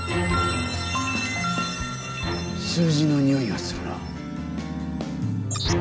数字のにおいがするなぁ。